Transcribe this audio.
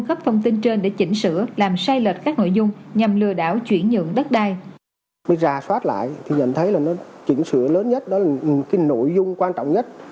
chuyển sửa lớn nhất đó là nội dung quan trọng nhất